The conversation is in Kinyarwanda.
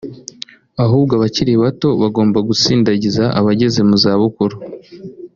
Ahubwo abakiri bato bagomba gusindagiza abageze mu za bukuru